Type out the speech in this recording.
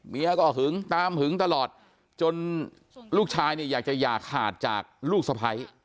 เมียก็หึงตามหึงตลอดจนลูกชายเนี่ยอยากจะอย่าขาดจากลูกสะพ้าย